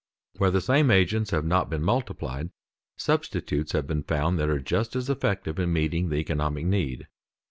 Where the same agents have not been multiplied, substitutes have been found that are just as effective in meeting the economic need.